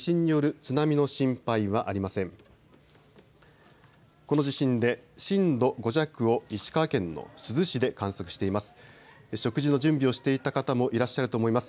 この地震で震度５弱を石川県の珠洲市で観測しています。